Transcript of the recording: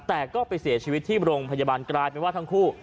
แต่ก็ไปเสียชีวิตที่โรงพยาบาลกลายเป็นว่าทั้งคู่